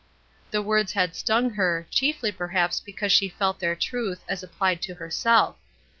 The words had stung her, chiefly perhaps be cause she felt their truth, as applied to herself.